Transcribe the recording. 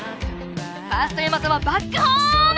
ファースト山澤バックホーム！